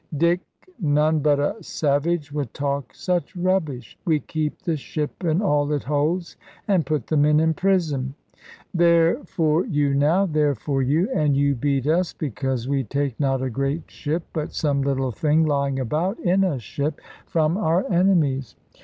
"Dick, none but a savage would talk such rubbish. We keep the ship, and all it holds, and put the men in prison." "There for you now, there for you! And you beat us because we take not a great ship, but some little thing lying about in a ship, from our enemies."